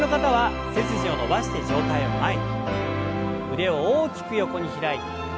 腕を大きく横に開いて。